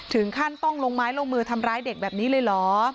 ถึงขั้นต้องลงไม้ลงมือทำร้ายเด็กแบบนี้เลยเหรอ